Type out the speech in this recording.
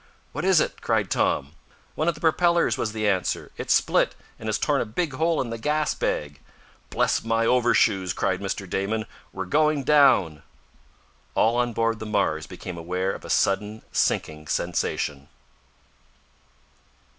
"What is it?" cried Tom. "One of the propellers!" was the answer. "It's split, and has torn a big hole in the gas bag!" "Bless my overshoes!" cried Mr. Damon. "We're going down!" All on board the Mars became aware of a sudden sinking sensation.